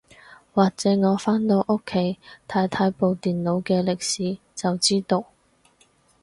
或者我返到屋企睇睇部電腦嘅歷史就知道